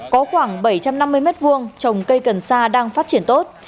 có khoảng bảy trăm năm mươi mét vuông trồng cây cần sa đang phát triển tốt